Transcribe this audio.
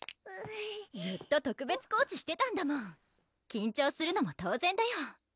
ずっと特別コーチしてたんだもん緊張するのも当然だよ